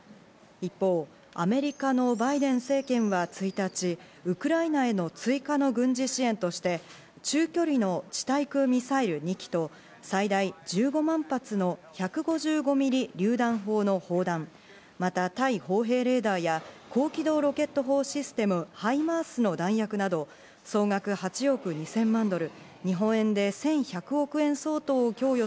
一方、アメリカのバイデン政権は１日、ウクライナへの追加の軍事支援として、中距離の地対空ミサイル２基と、最大１５万発の１５５ミリりゅう弾砲の砲弾、また対砲兵レーダーや高機動ロケット砲システム、ハイマースの弾薬など総額８億２０００万ドル、日本円で１１００億円相当を供与